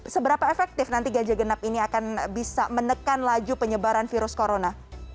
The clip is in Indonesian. seberapa efektif nanti ganjil genap ini akan bisa menekan laju penyebaran virus corona